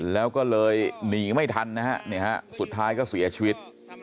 แล้วก็เลยหนีไม่ทันนะฮะสุดท้ายก็เสียชีวิต